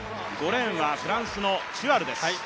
５レーンはフランスのチュアルです。